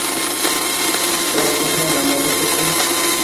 তো, কোথায় নামাবো তোকে?